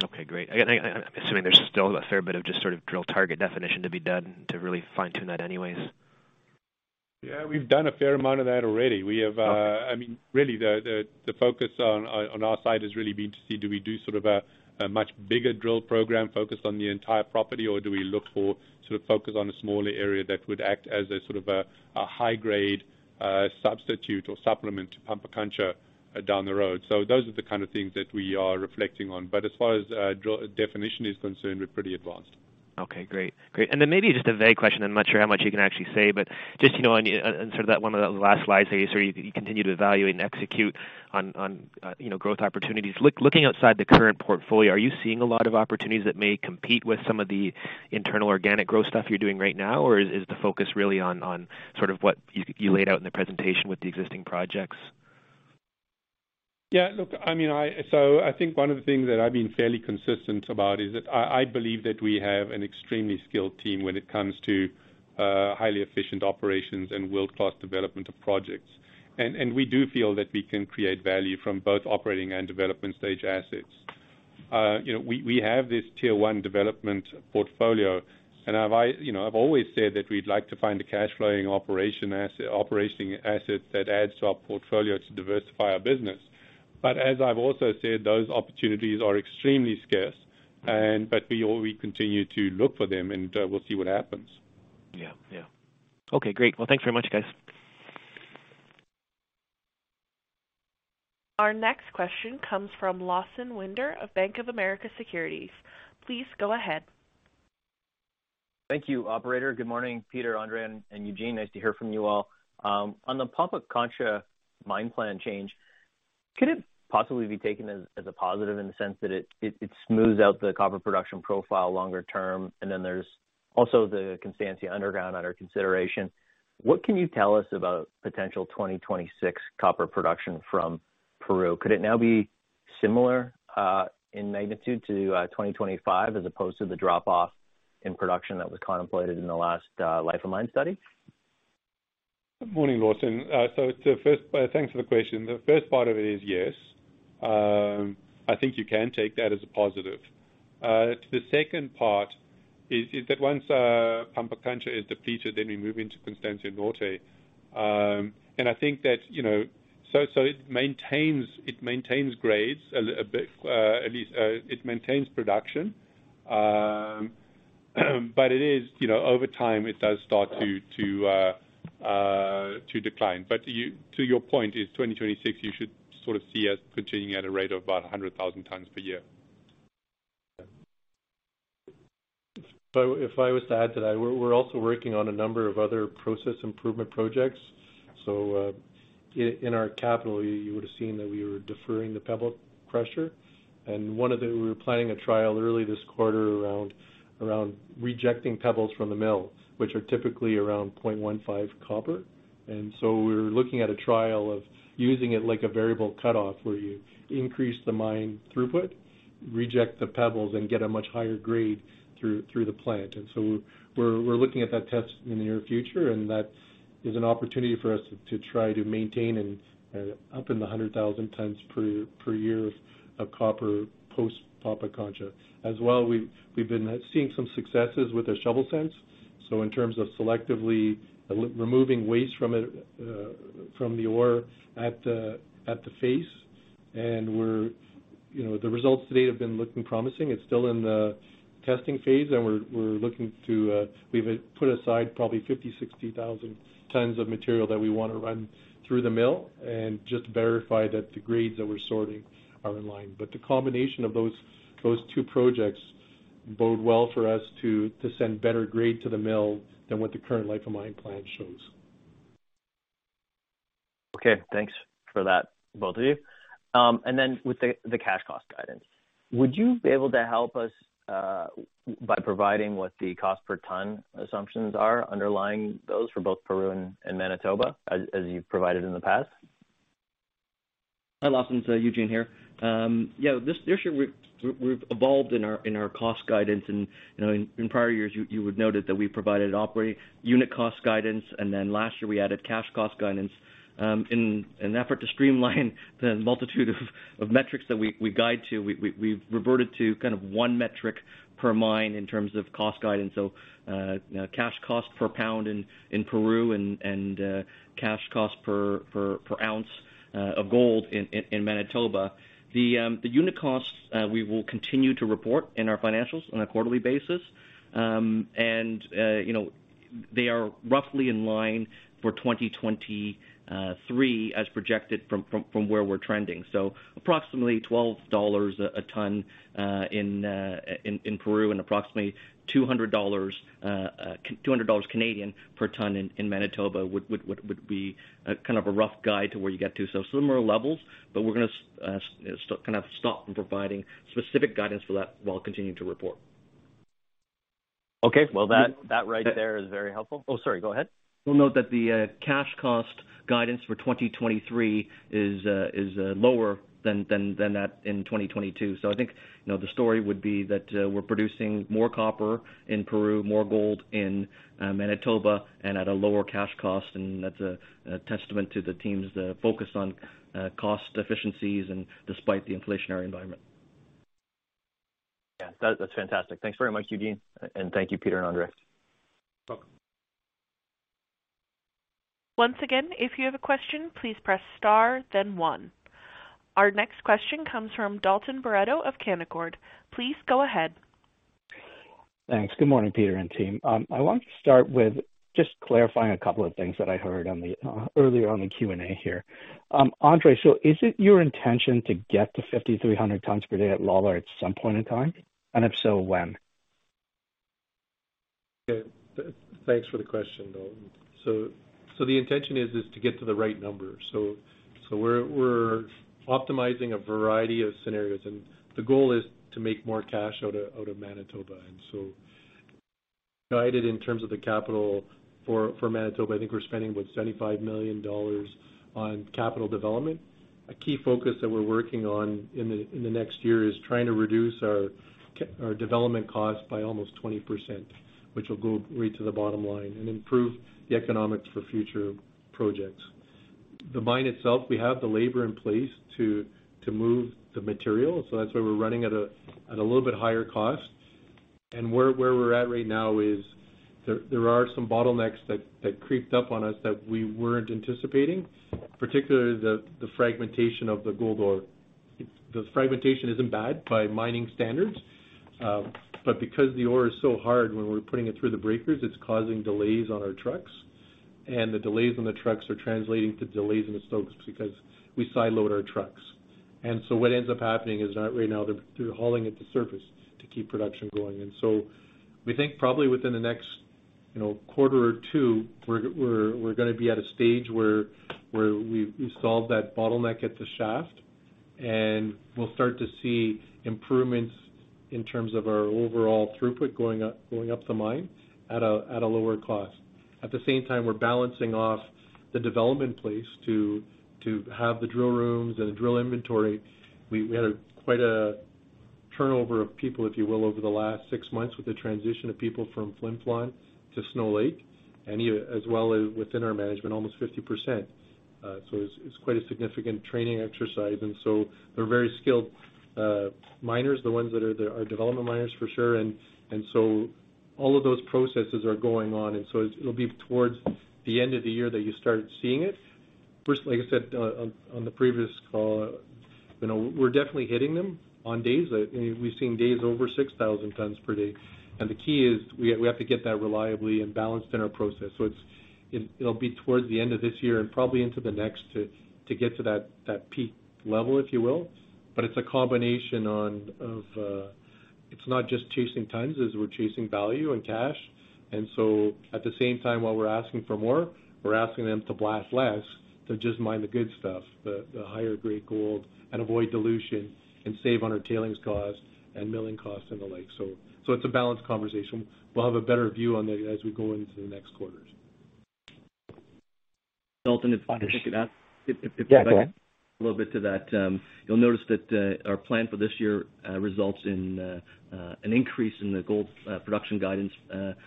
Okay, great. Again, I'm assuming there's still a fair bit of just sort of drill target definition to be done to really fine-tune that anyways. Yeah, we've done a fair amount of that already. We have. Okay. I mean, really, the focus on our side has really been to see do we do sort of a much bigger drill program focused on the entire property, or do we look for sort of focus on a smaller area that would act as a sort of a high grade substitute or supplement to Pampacancha down the road. Those are the kind of things that we are reflecting on as far as definition is concerned, we're pretty advanced. Okay, great. Great. Then maybe just a vague question. I'm not sure how much you can actually say, but just, you know, on, in sort of that one of the last slides where you sort of you continue to evaluate and execute on, you know, growth opportunities. Look, looking outside the current portfolio, are you seeing a lot of opportunities that may compete with some of the internal organic growth stuff you're doing right now? Or is the focus really on sort of what you laid out in the presentation with the existing projects? Look, I mean, I think one of the things that I've been fairly consistent about is that I believe that we have an extremely skilled team when it comes to highly efficient operations and world-class development of projects. We do feel that we can create value from both operating and development stage assets. You know, we have this tier one development portfolio, and I've, you know, I've always said that we'd like to find a cash flowing operation asset, operating asset that adds to our portfolio to diversify our business. As I've also said, those opportunities are extremely scarce, but we continue to look for them, and we'll see what happens. Yeah. Okay, great. Thanks very much, guys. Our next question comes from Lawson Winder of Bank of America Securities. Please go ahead. Thank you, operator. Good morning, Peter, Andre, and Eugene, nice to hear from you all. On the Pampacancha mine plan change, could it possibly be taken as a positive in the sense that it smooths out the copper production profile longer term? There's also the Constancia underground under consideration. What can you tell us about potential 2026 copper production from Peru? Could it now be similar in magnitude to 2025, as opposed to the drop-off in production that was contemplated in the last life of mine study? Good morning, Lawson. Thanks for the question the first part of it is, yes, I think you can take that as a positive. To the second part is that once Pampacancha is depleted, then we move into Constancia Norte. I think that, you know, it maintains grades a bit, at least, it maintains production. But it is, you know, over time, it does start to decline. To your point is 2026, you should sort of see us continuing at a rate of about 100,000 tons per year. If I was to add to that, we're also working on a number of other process improvement projects. In our capital, you would've seen that we were deferring the pebble crusher. We were planning a trial early this quarter around rejecting pebbles from the mill, which are typically around 0.15 copper. We're looking at a trial of using it like a variable cutoff, where you increase the mine throughput, reject the pebbles, and get a much higher grade through the plant. We're looking at that test in the near future, and that is an opportunity for us to try to maintain and up in the 100,000 tons per year of copper post-Pampacancha. As well, we've been seeing some successes with the ShovelSense. In terms of selectively re-removing waste from it, from the ore at the face, and we're, you know, the results to date have been looking promising. It's still in the testing phase, and we're looking to, we've, put aside probably 50,000 to 60,000 tons of material that we wanna run through the mill and just verify that the grades that we're sorting are in line the combination of those two projects bode well for us to send better grade to the mill than what the current life of mine plan shows. Okay, thanks for that, both of you. Then with the cash cost guidance, would you be able to help us by providing what the cost per ton assumptions are underlying those for both Peru and Manitoba as you've provided in the past? Hi, Lawson, it's Eugene here. Yeah, this year we've evolved in our cost guidance. You know, in prior years, you would noted that we provided operating unit cost guidance, and then last year, we added cash cost guidance. In an effort to streamline the multitude of metrics that we guide to, we've reverted to kind of one metric per mine in terms of cost guidance. Cash cost per pound in Peru and cash cost per ounce of gold in Manitoba. The unit costs we will continue to report in our financials on a quarterly basis. You know, they are roughly in line for 2023 as projected from where we're trending. Approximately $12 a ton in Peru and approximately 200 dollars per ton in Manitoba would be kind of a rough guide to where you get to. Similar levels, but we're gonna kinda stop from providing specific guidance for that while continuing to report. Okay. Well, that right there is very helpful. Oh, sorry. Go ahead. We'll note that the cash cost guidance for 2023 is lower than that in 2022. I think, you know, the story would be that we're producing more copper in Peru, more gold in Manitoba and at a lower cash cost, and that's a testament to the teams focus on cost efficiencies and despite the inflationary environment. Yeah. That's fantastic. Thanks very much, Eugene. Thank you, Peter and Andre. Welcome. Once again, if you have a question, please press star then one. Our next question comes from Dalton Baretto of Canaccord. Please go ahead. Thanks. Good morning, Peter and team. I want to start with just clarifying a couple of things that I heard on the earlier on the Q&A here. Andre, is it your intention to get to 5,300 tons per day at Lalor at some point in time? If so, when? Yeah. Thanks for the question, Dalton. The intention is to get to the right number. We're optimizing a variety of scenarios, and the goal is to make more cash out of Manitoba. Guided in terms of the capital for Manitoba, I think we're spending about $75 million on capital development. A key focus that we're working on in the next year is trying to reduce our development cost by almost 20%, which will go right to the bottom line and improve the economics for future projects. The mine itself, we have the labor in place to move the material, so that's why we're running at a little bit higher cost. Where we're at right now is there are some bottlenecks that creeped up on us that we weren't anticipating, particularly the fragmentation of the gold ore. The fragmentation isn't bad by mining standards, but because the ore is so hard when we're putting it through the breakers, it's causing delays on our trucks, and the delays on the trucks are translating to delays in the stopes because we side load our trucks. So what ends up happening is that right now they're hauling at the surface to keep production going. We think probably within the next, you know, quarter or Q2, we're gonna be at a stage where we've solved that bottleneck at the shaft, and we'll start to see improvements in terms of our overall throughput going up the mine at a lower cost. At the same time, we're balancing off the development place to have the drill rooms and the drill inventory. We had a quite a turnover of people, if you will, over the last six months with the transition of people from Flin Flon to Snow Lake, and as well as within our management, almost 50%. It's quite a significant training exercise. They're very skilled miners, the ones that are development miners for sure. All of those processes are going on it'll be towards the end of the year that you start seeing it. First, like I said, on the previous call, you know, we're definitely hitting them on days. I mean, we've seen days over 6,000 tons per day. The key is we have to get that reliably and balanced in our process. It'll be towards the end of this year and probably into the next to get to that peak level, if you will. It's a combination on of, it's not just chasing tons, is we're chasing value and cash. At the same time, while we're asking for more, we're asking them to blast less, to just mine the good stuff, the higher grade gold and avoid dilution and save on our tailings cost and milling costs and the like. It's a balanced conversation, we'll have a better view on that as we go into the next quarters. if I could add- Yeah, go ahead. If I could a little bit to that, you'll notice that our plan for this year results in an increase in the gold production guidance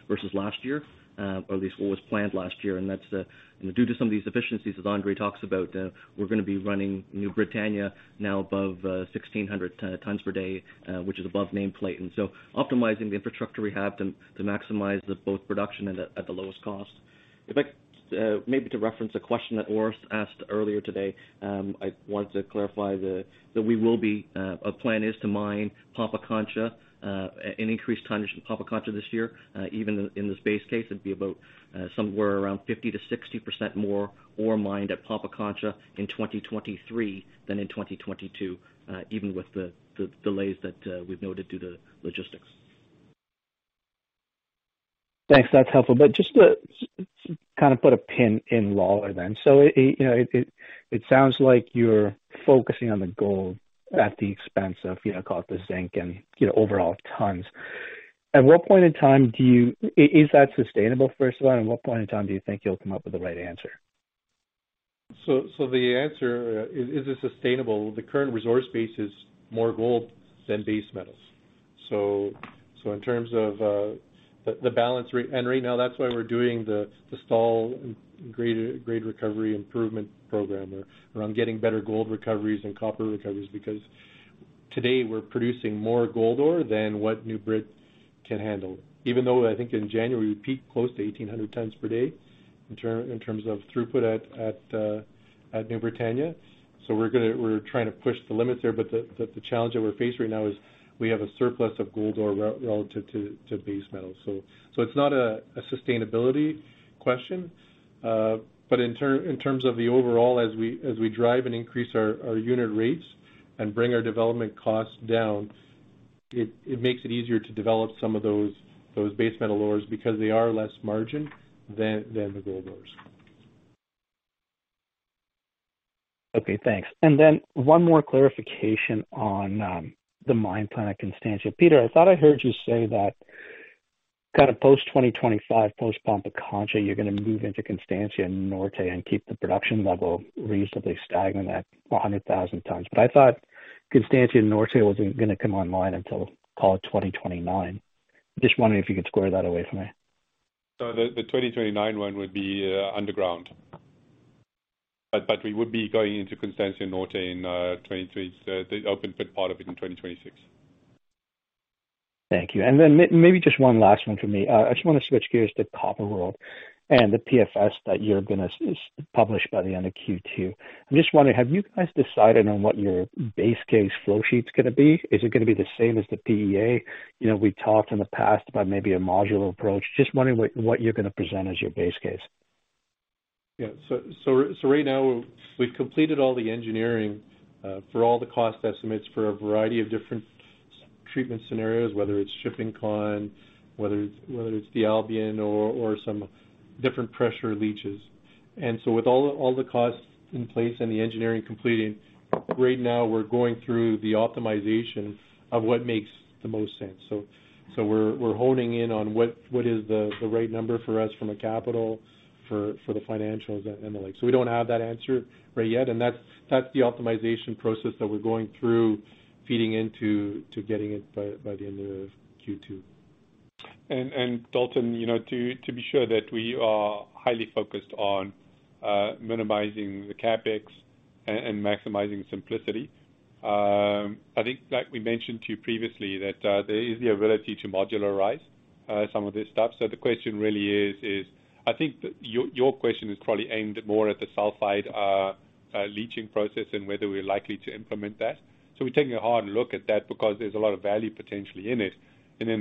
versus last year, or at least what was planned last year. That's, you know, due to some of these efficiencies that Andre talks about, we're gonna be running New Britannia now above 1,600 tons per day, which is above name plate. Optimizing the infrastructure we have to maximize the both production and at the lowest cost. In fact, maybe to reference a question that Urs asked earlier today, I want to clarify that we will be, our plan is to mine Pampacancha, an increased tonnage of Pampacancha this year. Even in this base case, it'd be about somewhere around 50% to 60% more ore mined at Pampacancha in 2023 than in 2022, even with the delays that we've noted due to logistics. Thanks. That's helpful. Just to kind of put a pin in Lalor then. You know, it sounds like you're focusing on the gold at the expense of, you know, call it the zinc and, you know, overall tons. Is that sustainable, first of all, and what point in time do you think you'll come up with the right answer? The answer, is it sustainable? The current resource base is more gold than base metals. In terms of the balance rate. Right now that's why we're doing the Stall recovery improvement program, or around getting better gold recoveries and copper recoveries. Because today we're producing more gold ore than what New Brit can handle. Even though I think in January, we peaked close to 1,800 tons per day in terms of throughput at New Britannia. We're trying to push the limits there, but the challenge that we face right now is we have a surplus of gold ore relative to base metal. It's not a sustainability question. In terms of the overall, as we drive and increase our unit rates and bring our development costs down, it makes it easier to develop some of those base metal ores because they are less margin than the gold ores. Okay, thanks. Then one more clarification on the mine plan at Constancia. Peter, I thought I heard you say that kind of post 2025, post Pampacancha, you're gonna move into Constancia Norte and keep the production level reasonably stagnant at 100,000 tons i thought Constancia Norte wasn't gonna come online until, call it, 2029. Just wondering if you could square that away for me. The 2029 one would be underground. We would be going into Constancia Norte in 2023, so the open pit part of it in 2026. Thank you. Then maybe just one last one for me. I just wanna switch gears to Copper World and the PFS that you're gonna publish by the end of Q2. I'm just wondering, have you guys decided on what your base case flow sheet's gonna be? Is it gonna be the same as the PEA? You know, we talked in the past about maybe a modular approach just wondering what you're gonna present as your base case. Yeah. So right now we've completed all the engineering, for all the cost estimates for a variety of different treatment scenarios, whether it's shipping con, whether it's the Albion or some different pressure leaches. With all the costs in place and the engineering completing, right now we're going through the optimization of what makes the most sense. We're honing in on what is the right number for us from a capital for the financials and the like so we don't have that answer ready yet, and that's the optimization process that we're going through, feeding into getting it by the end of Q2. Dalton, you know, to be sure that we are highly focused on minimizing the CapEx and maximizing simplicity, I think like we mentioned to you previously, that there is the ability to modularize some of this stuff the question really is I think that your question is probably aimed more at the sulfide leaching process and whether we're likely to implement that.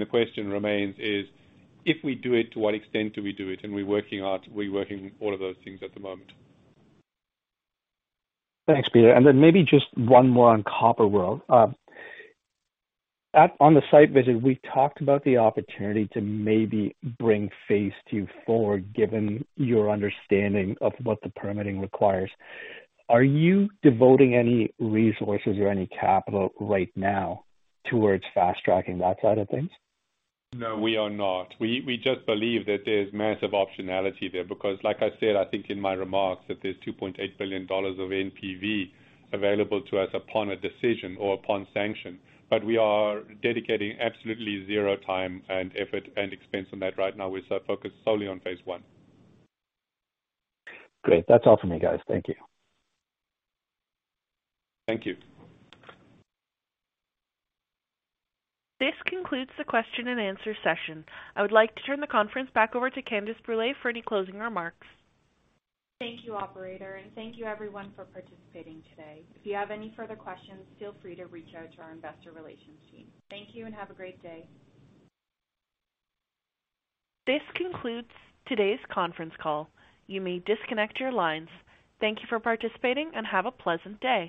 The question remains is, if we do it, to what extent do we do it? We're working all of those things at the moment. Thanks, Peter. Maybe just one more on Copper World. On the site visit, we talked about the opportunity to maybe bring phase two forward, given your understanding of what the permitting requires. Are you devoting any resources or any capital right now towards fast-tracking that side of things? No, we are not. We just believe that there's massive optionality there, because like I said, I think in my remarks, that there's $2.8 billion of NPV available to us upon a decision or upon sanction. We are dedicating absolutely zero time and effort and expense on that right now, as I focus solely on phase I. Great. That's all for me, guys. Thank you. Thank you. This concludes the question and answer session. I would like to turn the conference back over to Candace Brûlé for any closing remarks. Thank you, operator, and thank you everyone for participating today. If you have any further questions, feel free to reach out to our investor relations team. Thank you and have a great day. This concludes today's conference call. You may disconnect your lines. Thank you for participating and have a pleasant day.